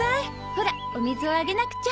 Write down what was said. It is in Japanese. ほらお水をあげなくちゃ。